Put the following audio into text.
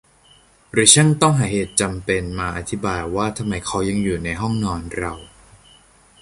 หรือช่างต้องหาเหตุจำเป็นมาอธิบายว่าทำไมเขายังอยู่ในห้องนอนเรา ?